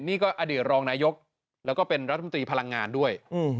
นี่ก็อดีตรองนายกแล้วก็เป็นรัฐมนตรีพลังงานด้วย